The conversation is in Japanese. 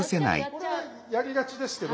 これやりがちですけど。